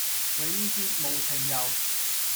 永結無情遊，